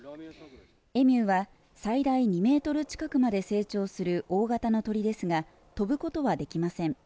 エミューは最大２ｍ近くまで成長する大型の鳥ですが飛ぶことはできません。